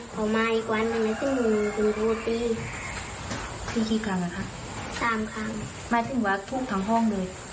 หมายถึงว่าลูกทางห้องเลยลูกทางห้อง